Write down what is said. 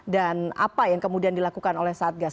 dan apa yang kemudian dilakukan oleh satgas